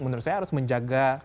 menurut saya harus menjaga